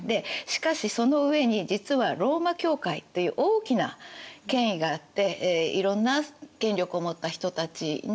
しかしその上に実はローマ教会という大きな権威があっていろんな権力を持った人たちの存在を保障してあげてた。